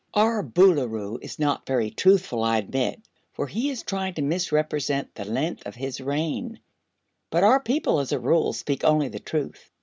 Our Boolooroo is not very truthful, I admit, for he is trying to misrepresent the length of his reign, but our people as a rule speak only the truth."